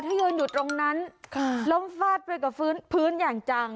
ถ้ายืนอยู่ตรงนั้นล้มฟาดไปกับพื้นอย่างจัง